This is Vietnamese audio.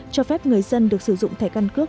cho phép người dân được sử dụng thẻ căn cước